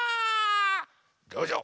どうぞ。